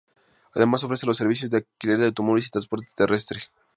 Además ofrece los servicios de alquiler de automóviles y transporte terrestre.